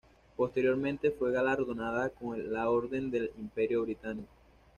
Posteriormente fue galardonada con la Orden del Imperio Británico.